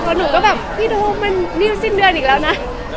เพราะหนูก็แบบพี่โดมมันรีบสิ้นเดือนอีกแล้วนะ